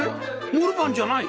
モルバンじゃない！